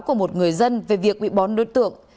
của một người dân về việc bị bón đối tượng